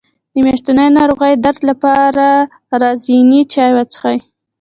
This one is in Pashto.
د میاشتنۍ ناروغۍ درد لپاره د رازیانې چای وڅښئ